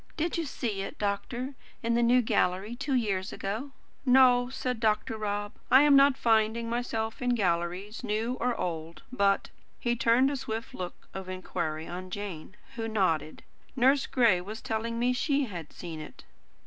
Did you see it, doctor, in the New Gallery, two years ago?" "No," said Dr. Rob. "I am not finding myself in galleries, new or old. But" he turned a swift look of inquiry on Jane, who nodded "Nurse Gray was telling me she had seen it."